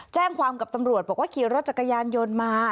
แจ้งความกับตำรวจบอกว่าขี่รถจักรยานยนต์มา